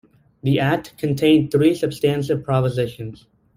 The Act contained three substantive provisions.